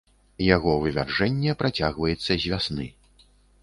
Яго вывяржэнне працягваецца з вясны.